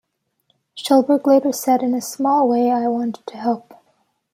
Schulberg later said: In a small way, I wanted to help...